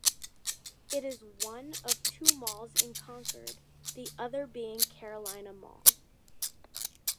It is one of two malls in Concord, the other being Carolina Mall.